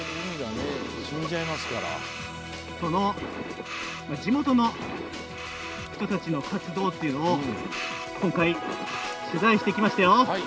その地元の人たちの活動っていうのを今回、取材してきましたよ。